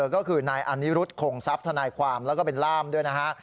ก็คือนายอานิรุธคงทรัพย์ทนายความแล้วก็เป็นล่ามด้วยนะฮะ